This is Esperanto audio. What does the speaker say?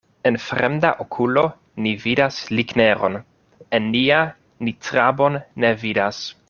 En fremda okulo ni vidas ligneron, en nia ni trabon ne vidas.